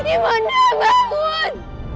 ibu nda bangun